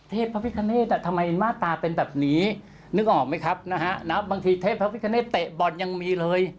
เทพพระพิการ์เนสทำไมมาตราเป็นแบบนี้